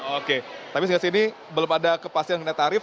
oke tapi sehingga sini belum ada kepastian tarif